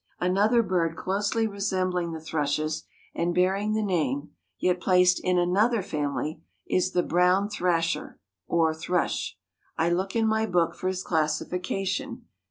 Another bird closely resembling the thrushes and bearing the name, yet placed in another family, is the brown thrasher, or thrush. I look in my book for his classification.